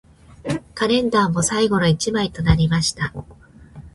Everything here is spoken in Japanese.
カレンダーも最後の一枚となりました